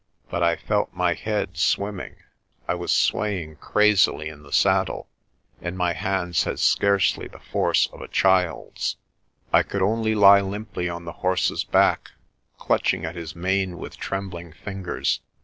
But I felt my head swimming, I was swaying crazily in the saddle, and my hands had scarcely the force of a child's. I could only lie limply on the horse's back, clutching at his mane with trembling fingers.